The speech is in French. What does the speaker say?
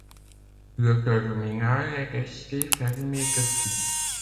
Le terminal est resté fermé depuis.